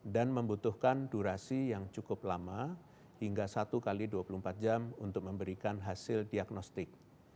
dan membutuhkan durasi yang cukup lama hingga satu x dua puluh empat jam untuk memberikan hasil diagnostik